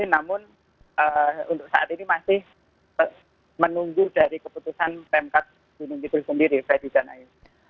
namun untuk saat ini masih menunggu dari keputusan pemkap gunung kidul sendiri dan ayu